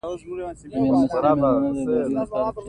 کاناډا د نشه یي توکو کښت نلري.